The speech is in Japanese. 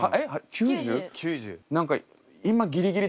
９０。